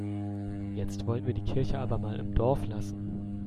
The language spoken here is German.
Jetzt wollen wir die Kirche aber mal im Dorf lassen.